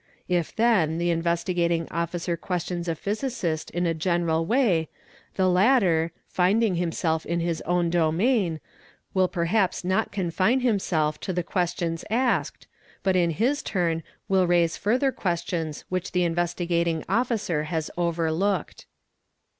If then the Investigating Officer questions a physicist in a general way the latter, finding himself in his own domain, will perhaps not confine himself to the questions asked, but in his turn will raise further questions which the Investigating Officer has overlooked.